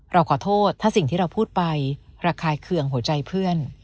เราขอโทษถ้าสิ่งที่เราพูดไประคายเคืองหัวใจเพื่อน